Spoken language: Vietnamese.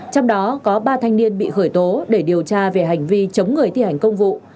trong đó có ba thanh niên bị khởi tố để điều tra về hành vi chống người thi hành công vụ